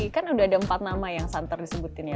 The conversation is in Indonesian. kan udah ada empat nama yang santer disebutin ya